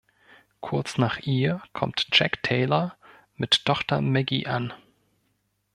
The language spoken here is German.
Kurz nach ihr kommt Jack Taylor mit Tochter Maggie an.